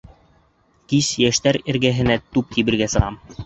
Кис йәштәр эргәһенә туп тибергә сығам.